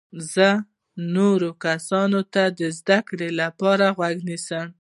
زه و نورو کسانو ته د زده کړي لپاره غوږ نیسم.